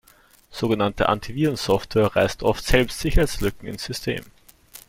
Sogenannte Antivirensoftware reißt oft selbst Sicherheitslücken ins System.